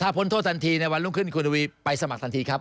พ้นโทษทันทีในวันรุ่งขึ้นคุณทวีไปสมัครทันทีครับ